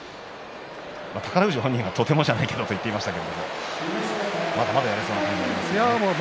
宝富士本人はとてもじゃないけどと言っていましたがまだまだやれそうな感じです。